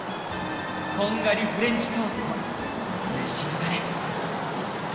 こんがりフレンチトースト召し上がれ。